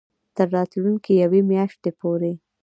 تر راتلونکې یوې میاشتې پورې